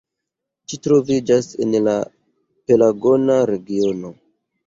Ĝi troviĝas en la Pelagona regiono.